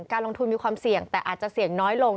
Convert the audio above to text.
การลงทุนมีความเสี่ยงแต่อาจจะเสี่ยงน้อยลง